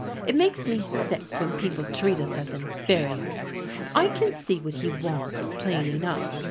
It makes me sick when people treat us as inferiors. I can see what he wants plain enough.